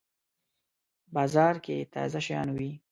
بازار کی تازه شیان وی